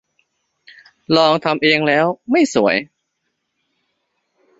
ลองทำเองแล้วไม่สวย